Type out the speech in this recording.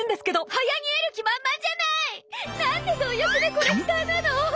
はやにえる気満々じゃない！なんて貪欲なコレクターなの！